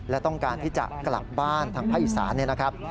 และต้องการที่จะกลับบ้านทางภาคอีสานเนี่ยนะครับ